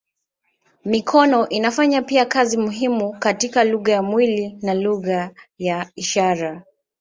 Mikono inafanya pia kazi muhimu katika lugha ya mwili na lugha ya ishara.